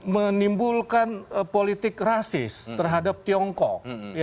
menimbulkan politik rasis terhadap tiongkok